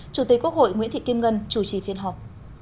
chủ tịch quốc hội nguyễn thị kim ngân chủ trì phiên họp